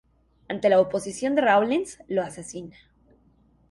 Ante la oposición de Rawlins, lo asesina.